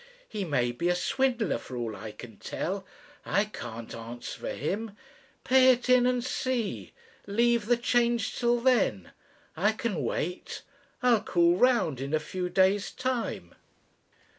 He may be a swindler for all I can tell. I can't answer for him. Pay it in and see. Leave the change till then. I can wait. I'll call round in a few days' time."